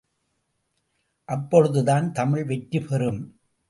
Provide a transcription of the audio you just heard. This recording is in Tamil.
அப்பொழுதுதான் தமிழ் வெற்றி பெறும்!